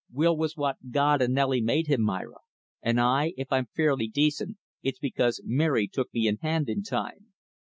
"Will was what God and Nelly made him, Myra; and I if I'm fairly decent it's because Mary took me in hand in time.